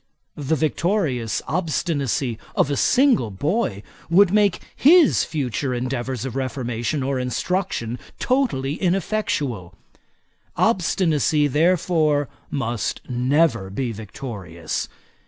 The victorious obstinacy of a single boy would make his future endeavours of reformation or instruction totally ineffectual. Obstinacy, therefore, must never be victorious.